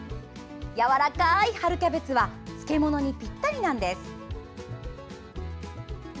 やわらかい春キャベツは漬け物にぴったりなんです。